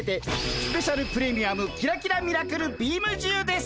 スペシャル・プレミアムキラキラ・ミラクル・ビームじゅう？